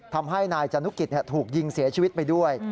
ทำให้นายจนุกิจถูกยิงเสียชีวิตไปด้วย